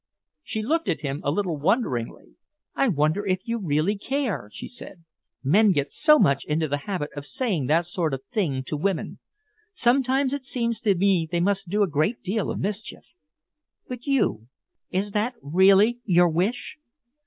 She looked at him a little wonderingly. "I wonder if you really care," she said. "Men get so much into the habit of saying that sort of thing to women. Sometimes it seems to me they must do a great deal of mischief. But you Is that really your wish?"